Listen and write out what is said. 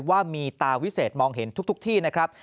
ว่ามีตาวิเศษมองเห็นทุกที่นะครับ